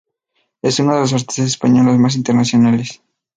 Es una de las artistas españolas más internacionales.